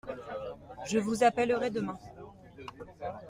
Je vous appellerai demain.